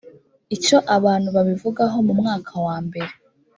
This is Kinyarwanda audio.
icyo abantu babivugaho mu mwaka wambere